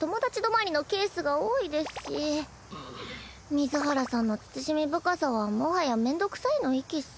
水原さんの慎み深さはもはやめんどくさいの域っス。